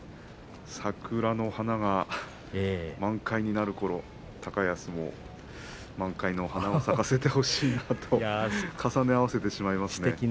桜の花が満開になるころ高安も満開の花を咲かせてほしいと重ね合わせてしまいますね。